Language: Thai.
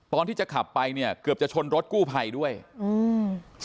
ตอนที่จะขับไปเนี่ยเกือบจะชนรถกู้ภัยด้วยอืม